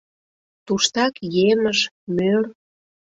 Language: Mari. Туштак емыж, мӧр.